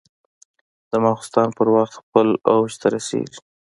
د ماخوستن په وخت خپل اوج ته رسېږي.